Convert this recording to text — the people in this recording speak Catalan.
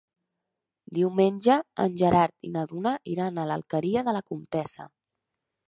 Diumenge en Gerard i na Duna iran a l'Alqueria de la Comtessa.